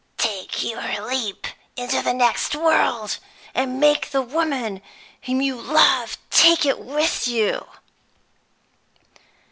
"Take your leap into the next world, and make the woman whom you love take it with you!"